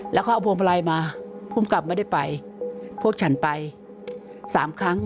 แล้วเขาเอาพวงมาลัยมาภูมิกับไม่ได้ไปพวกฉันไปสามครั้ง